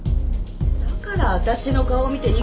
だから私の顔を見て逃げたのね。